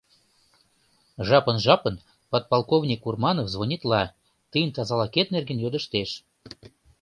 Жапын-жапын подполковник Урманов звонитла, тыйын тазалыкет нерген йодыштеш.